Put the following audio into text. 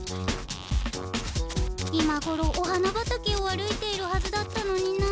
今ごろお花畑を歩いているはずだったのになあ。